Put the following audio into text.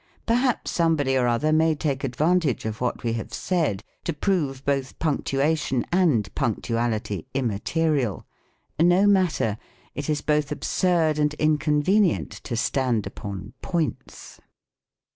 Perhaps somebody or other may take advantage of what we have said, to prove both Punctuation and Punctuality immaterial. No matter. PROSODY. 137 It is both absurd and inconvenient to stand upon points.